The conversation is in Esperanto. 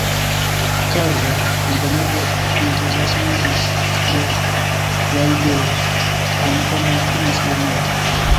Karlo kompreneble entuziasmiĝis je la ideo, kvankam li timis iomete.